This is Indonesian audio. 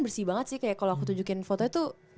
bersih banget sih kayak kalau aku tunjukin foto itu